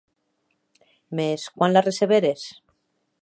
Mès quan la receberes?